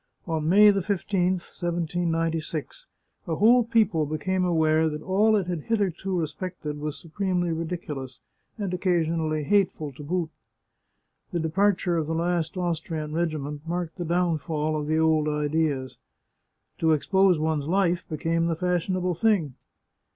On May I5i 1796, a whole people became aware that all it had hitherto respected was supremely ridiculous, and occasionally hate ful, to boot. The departure of the last Austrian regiment marked the downfall of the old ideas. To expose one's life became the fashionable thing.